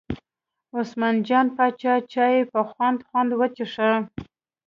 عثمان جان پاچا چای په خوند خوند وڅښه.